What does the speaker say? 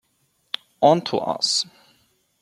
On to us.